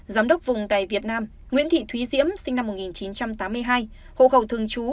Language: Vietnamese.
giám đốc vùng tài việt nam nguyễn thị thúy diễm sinh năm một nghìn chín trăm tám mươi hai hồ khẩu thường chú